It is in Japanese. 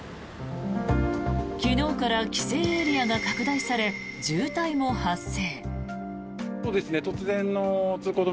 昨日から規制エリアが拡大され渋滞も発生。